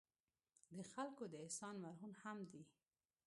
د خلکو د احسان مرهون هم دي.